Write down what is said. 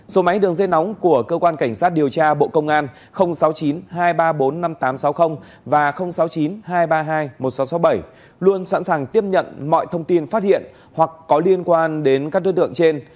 số máy đường dây nóng của cơ quan cảnh sát điều tra bộ công an sáu mươi chín hai trăm ba mươi bốn năm nghìn tám trăm sáu mươi và sáu mươi chín hai trăm ba mươi hai một nghìn sáu trăm sáu mươi bảy luôn sẵn sàng tiếp nhận mọi thông tin phát hiện hoặc có liên quan đến các đối tượng trên